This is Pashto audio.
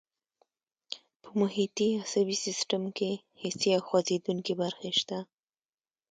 په محیطي عصبي سیستم کې حسي او خوځېدونکي برخې شته.